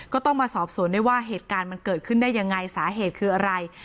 ก็ต้องมาสอบสวนด้วยว่าเหตุการณ์มันเกิดขึ้นได้ยังไงสาเหตุคืออะไร